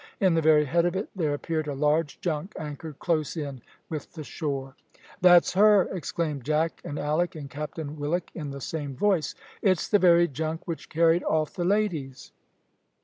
In the very head of it there appeared a large junk anchored close in with the shore. "That's her!" exclaimed Jack, and Alick, and Captain Willock in the same voice. "It's the very junk which carried off the ladies."